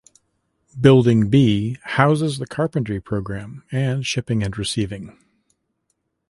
Building B houses the Carpentry program and Shipping and Receiving.